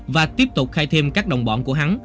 và tiếp tục khai thêm các đồng bọn của hắn